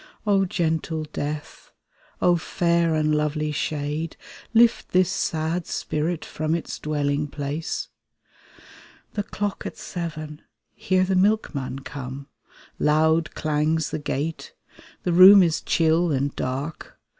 "O gentle death ! O fair and lovely shade, Lift this sad spirit from its dwelling place !" The clock at seven! Hear the milkman come. Loud clangs the gate; the room is chill and dark.